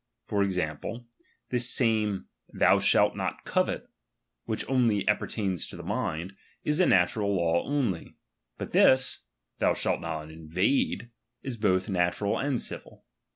For example, ^1 this same, thou shall not covet, which only apper ^1 tains to the mind, is a natural law only ; but this, ^B thou shalt not invade, is both naturd and civil.